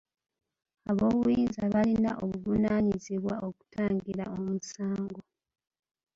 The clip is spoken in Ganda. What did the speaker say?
Aboobuyinza balina obuvunaanyizibwa okutangira omusango.